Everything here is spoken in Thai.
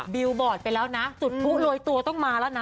บอร์ดไปแล้วนะจุดผู้โรยตัวต้องมาแล้วนะ